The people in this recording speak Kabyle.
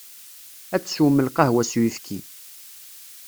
Ad teswem lqahwa s uyefki.